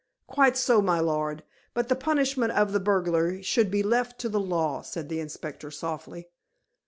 "Quite so, my lord. But the punishment of the burglar should be left to the law," said the inspector softly.